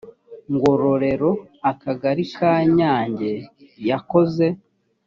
ngororero akagali ka nyange yakoze